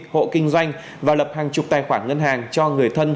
hộ kinh doanh và lập hàng chục tài khoản ngân hàng cho người thân